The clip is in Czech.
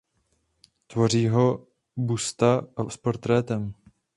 Tvoří ho busta s portrétem.